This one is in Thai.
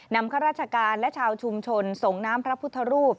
ข้าราชการและชาวชุมชนส่งน้ำพระพุทธรูป